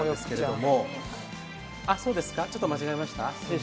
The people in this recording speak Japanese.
ちょっと間違えました？